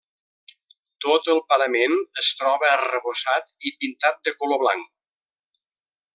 Tot el parament es troba arrebossat i pintat de color blanc.